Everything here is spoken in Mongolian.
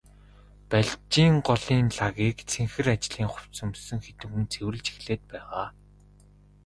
Балжийн голын лагийг цэнхэр ажлын хувцас өмссөн хэдэн хүн цэвэрлэж эхлээд байгаа.